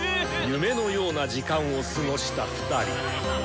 夢のような時間を過ごした２人。